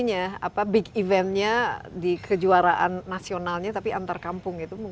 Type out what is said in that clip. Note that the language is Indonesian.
apa big eventnya di kejuaraan nasionalnya tapi antar kampung itu